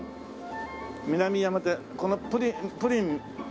南山手このプリン。